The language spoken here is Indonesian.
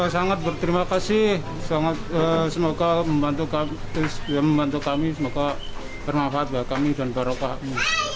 sangat berterima kasih semoga membantu kami semoga bermanfaat bagi kami dan para pak